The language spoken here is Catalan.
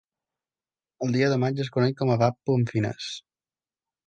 El Dia de maig es coneix com a Vappu en finès.